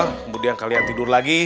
kemudian kalian tidur lagi